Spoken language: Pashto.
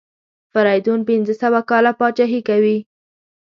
فریدون پنځه سوه کاله پاچهي کوي.